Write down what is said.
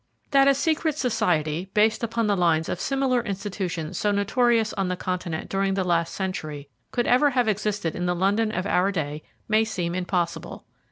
THAT a secret society, based upon the lines of similar institutions so notorious on the Continent during the last century, could ever have existed in the London of our day may seem impossible.